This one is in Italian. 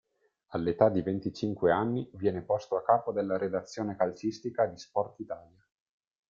All'età di venticinque anni, viene posto a capo della redazione calcistica di Sportitalia.